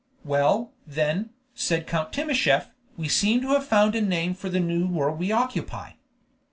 "Well, then," said Count Timascheff, "we seem to have found a name for the new world we occupy."